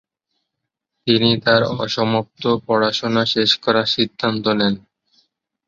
তিনি তার অসমাপ্ত পড়াশোনা শেষ করার সিদ্ধান্ত নেন।